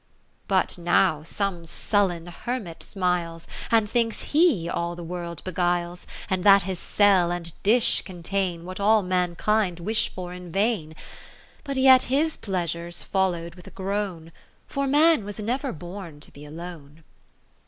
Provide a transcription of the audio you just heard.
VIII But now some sullen Hermit smiles. And thinks he all the world be guiles, And that his cell and dish contain What all mankind wish for in vain. But yet his pleasure 's follow'd with a groan. For man was never bcjn to be alone.